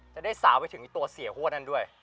จะได้สาวไปถึงตัวเสียหัวนั่นด้วย